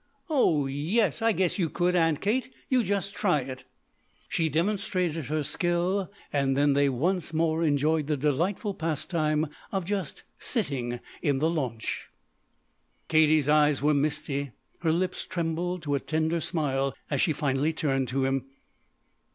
"Oh yes, I guess you could, Aunt Kate. You just try it." She demonstrated her skill and then they once more enjoyed the delightful pastime of just sitting in the launch. Katie's eyes were misty, her lips trembled to a tender smile as she finally turned to him.